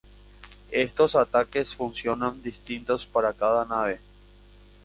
Estos ataques funcionan distintos para cada nave.